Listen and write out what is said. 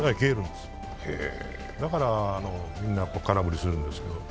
だから、みんな空振りするんですよね。